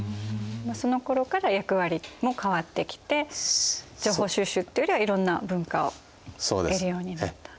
そのころから役割も変わってきて情報収集っていうよりはいろんな文化を得るようになったんですね。